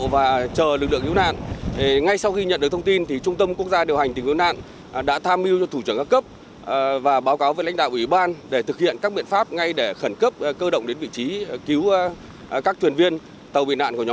và các tàu cá đang bị nạn